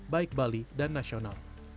baik bali dan nasional